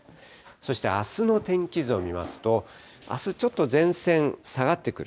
そしてあすの天気図を見ますと、あすちょっと前線下がってくる。